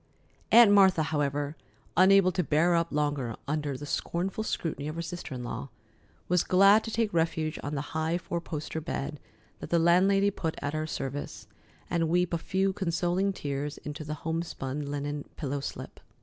Aunt Martha, however, unable to bear up longer under the scornful scrutiny of her sister in law, was glad to take refuge on the high four poster bed that the landlady put at her service, and weep a few consoling tears into the homespun linen pillow slip.